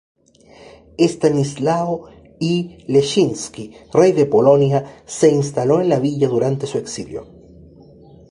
Estanislao I Leszczynski, rey de Polonia, se instaló en la villa durante su exilio.